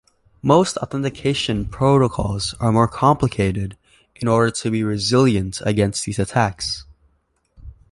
Most authentication protocols are more complicated in order to be resilient against these attacks.